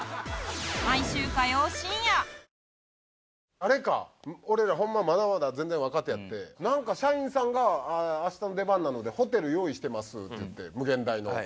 あれか俺らホンマまだまだ全然若手やってなんか社員さんが「明日出番なのでホテル用意してます」って言って∞の。